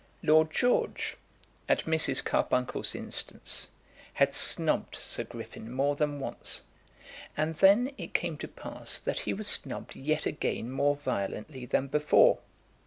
Lord George, at Mrs. Carbuncle's instance, had snubbed Sir Griffin more than once, and then it came to pass that he was snubbed yet again more violently than before.